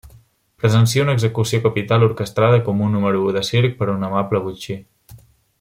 Presencia una execució capital orquestrada com un número de circ per un amable botxí.